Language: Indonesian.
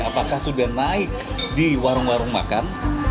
apakah sudah naik di warung warung makan